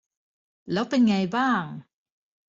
แล้วเป็นไงบ้าง